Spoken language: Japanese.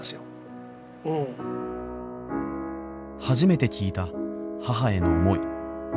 初めて聞いた母への想い。